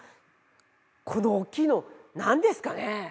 この大きいのなんですかね？